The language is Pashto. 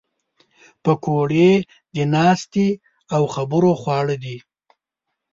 پکورې د ناستې او خبرو خواړه دي